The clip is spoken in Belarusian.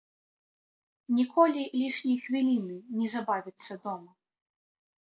Ніколі лішняй хвіліны не забавіцца дома.